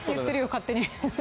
勝手に。